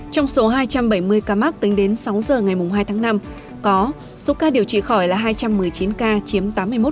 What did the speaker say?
trong số hai trăm bảy mươi ca mắc tính đến sáu giờ ngày hai tháng năm có số ca điều trị khỏi là hai trăm một mươi chín ca chiếm tám mươi một